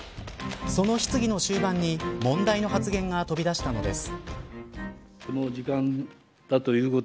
その質疑の終盤に問題の発言が飛び出したのです。